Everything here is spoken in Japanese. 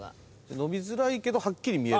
伸びづらいけどはっきり見える。